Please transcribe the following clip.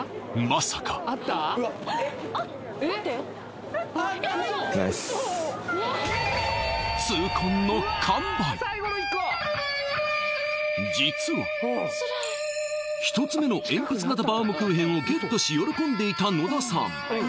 まさか痛恨の完売１つ目のえんぴつ型バウムクーヘンをゲットし喜んでいた野田さん